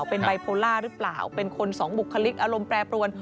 เป็นไบโพล่าหรือเปล่าเป็นคนสองบุคลิกอารมณ์แปรปรวน